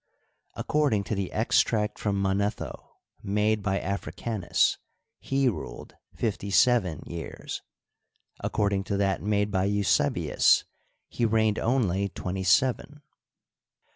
According to the extract from Manetho, made by Africanus, he ruled fifty seven years ; according to that made by Eusebius, he reigned only twenty seven.